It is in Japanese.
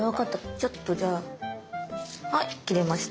ちょっとじゃあはい切れました。